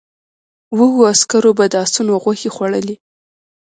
وږو عسکرو به د آسونو غوښې خوړلې.